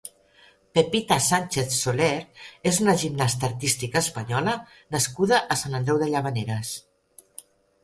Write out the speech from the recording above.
Pepita Sánchez Soler és una gimnasta artística española nascuda a Sant Andreu de Llavaneres.